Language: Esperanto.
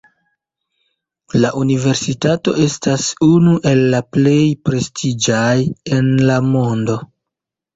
La universitato estas unu el la plej prestiĝaj en la mondo.